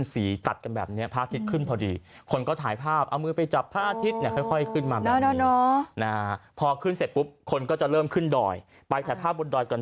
เสร็จปุ๊บคนก็จะเริ่มขึ้นดอยไปถ่ายภาพบนดอยกันต่อ